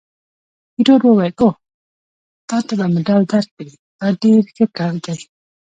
ایټور وویل: اوه، تا ته به مډال درکړي! دا ډېر ښه کار دی.